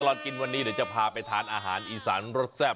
ตลอดกินวันนี้เดี๋ยวจะพาไปทานอาหารอีสานรสแซ่บ